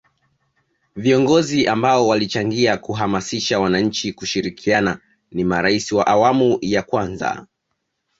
viongozi ambao walichangia kuamasisha wananchi kushirikiana ni marais wa awmu ya kwanza